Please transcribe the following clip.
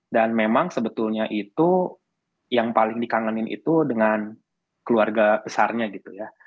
dan memang sebetulnya itu yang paling dikangenin itu dengan keluarga besarnya gitu ya